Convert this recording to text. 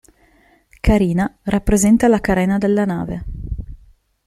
Carina rappresenta la carena della nave.